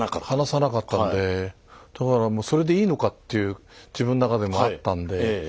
話さなかったんでだからもうそれでいいのかっていう自分の中でもあったんで。